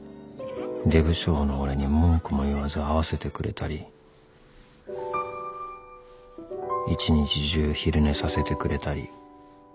出無精の俺に文句も言わず合わせてくれたり一日中昼寝させてくれたり